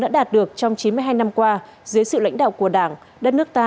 đã đạt được trong chín mươi hai năm qua dưới sự lãnh đạo của đảng đất nước ta